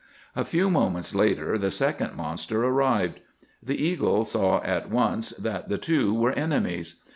A few moments later the second monster arrived. The eagle saw at once that the two were enemies.